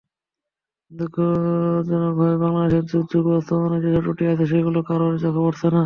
দুর্ভাগ্যজনকভাবে বাংলাদেশের দুর্যোগ ব্যবস্থাপনায় যেসব ত্রুটি আছে, সেগুলো কারোরই চোখে পড়ছে না।